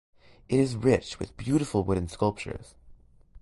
It is rich with beautiful wooden sculptures.